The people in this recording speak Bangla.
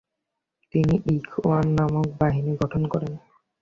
তিনি ইখওয়ান নামক বাহিনী গঠন করেন।